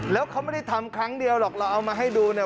แล้วเขาไม่ได้ทำครั้งเดียวหรอกเราเอามาให้ดูเนี่ย